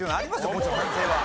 もちろん反省は。